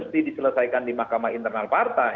ini harus diselesaikan di makam internal partai